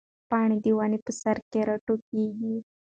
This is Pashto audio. پاڼه د ونې په سر کې راټوکېږي.